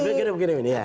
begini begini ya